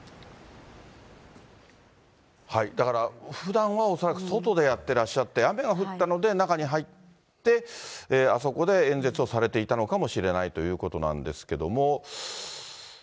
だから、ふだんは恐らく、外でやってらっしゃって、雨が降ったので中に入って、あそこで演説をされていたのかもしれないということなんですけども。